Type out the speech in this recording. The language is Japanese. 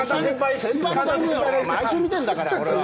先輩の番組、毎週、見てんだから、俺は！